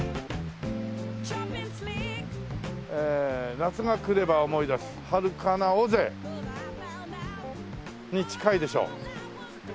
「夏が来れば思い出すはるかな尾瀬」。に近いでしょ。